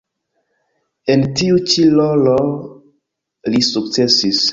En tiu ĉi rolo li sukcesis.